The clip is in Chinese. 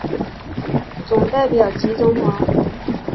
总代表吉钟华。